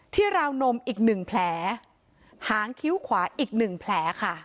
ที่ราวนมอีก๑แผลหางคิ้วขวาอีก๑แผลค่ะ